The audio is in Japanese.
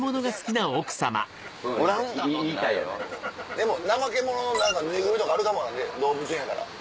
でもナマケモノのぬいぐるみとかあるかも動物園やから。